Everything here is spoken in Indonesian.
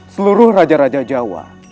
seluruh raja raja jawa